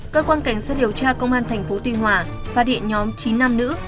cơ quan cảnh sát điều tra công an tp tuy hòa và điện nhóm chín năm nữ